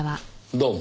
どうも。